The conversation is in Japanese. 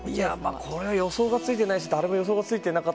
これは予想はついてないし誰も予想がついてない。